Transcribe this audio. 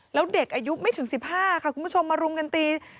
แล้วเด็กอายุไม่ถึง๑๕ค่ะคุณผู้ชมมารุมกันตี